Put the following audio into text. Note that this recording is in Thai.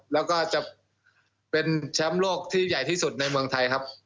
แล้วก็จะเป็นแชมป์โลกที่ใหญ่ที่สุดในเมืองไทยครับ